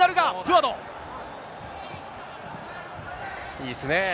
いいですね。